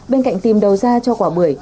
bên cạnh tìm đầu ra cho quả bưởi